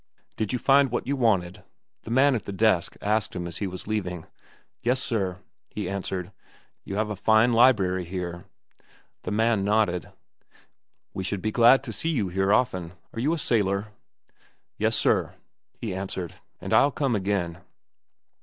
"Did you find what you wanted?" the man at the desk asked him as he was leaving. "Yes, sir," he answered. "You have a fine library here." The man nodded. "We should be glad to see you here often. Are you a sailor?" "Yes, sir," he answered. "And I'll come again."